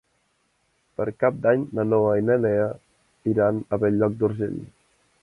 Per Cap d'Any na Noa i na Lea iran a Bell-lloc d'Urgell.